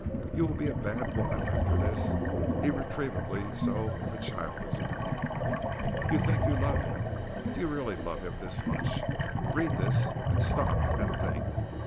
You will be 'a bad woman' after this, irretrievably so if a child is born. You think you love him. Do you really love him this much? Read this and stop and think.